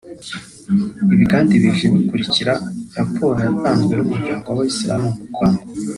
Ibi kandi bije bikurikira raporo yatanzwe n’umuryango w’abayisilamu mu Rwanda